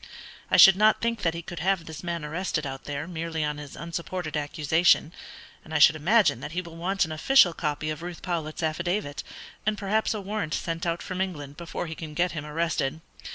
I should not think that he could have this man arrested out there merely on his unsupported accusation, and I should imagine that he will want an official copy of Ruth Powlett's affidavit, and perhaps a warrant sent out from England, before he can get him arrested.